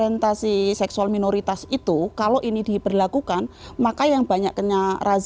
iya karena menurut saya gini ya orientasi seksual minoritas itu kalau ini diperlakukan maka yang banyaknya razia itu kan yang